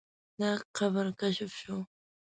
دا قبر کشف شو.